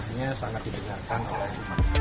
hanya sangat diterima oleh piai